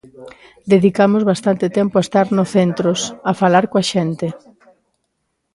Dedicamos bastante tempo a estar no centros, a falar coa xente.